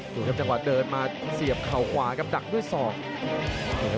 ดูครับจังหวะเดินมาเสียบเข่าขวาครับดักด้วยศอก